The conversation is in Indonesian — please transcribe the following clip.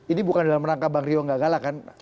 ini bukan dalam rangka bang rio gagal lah kan